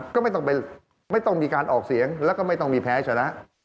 ก็ไม่ต้องมีการออกเสียงแล้วก็ไม่ต้องมีแพ้ชนะ